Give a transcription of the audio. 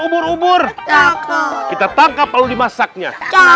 umur umur kita tangkap lalu dimasaknya